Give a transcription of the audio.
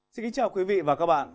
xin kính chào quý vị và các bạn